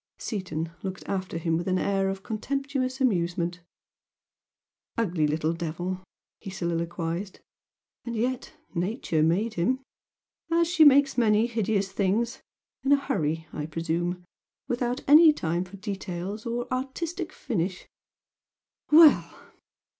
Seaton looked after him with an air of contemptuous amusement. "Ugly little devil!" he soliloquised "And yet Nature made him, as she makes many hideous things in a hurry, I presume, without any time for details or artistic finish. Well!"